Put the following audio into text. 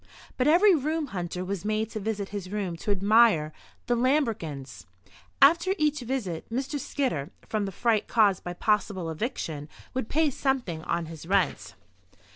But every room hunter was made to visit his room to admire the lambrequins. After each visit, Mr. Skidder, from the fright caused by possible eviction, would pay something on his rent.